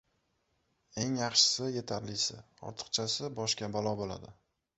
• Eng yaxshisi — yetarlisi, ortiqchasi boshga balo bo‘ladi.